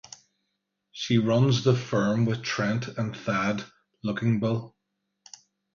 She runs the firm with Trent and Thad Luckinbill.